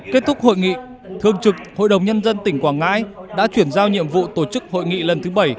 kết thúc hội nghị thường trực hội đồng nhân dân tỉnh quảng ngãi đã chuyển giao nhiệm vụ tổ chức hội nghị lần thứ bảy